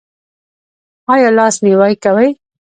ایا لاس نیوی کوئ؟